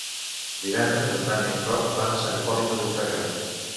Divendres en Dan i en Roc van a Sant Hipòlit de Voltregà.